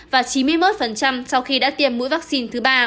và chín mươi một sau khi đã tiêm mũi vaccine thứ ba